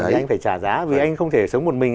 thì anh phải trả giá vì anh không thể sống một mình